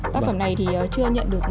tác phẩm này thì chưa nhận được